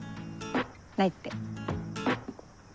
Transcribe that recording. ないって。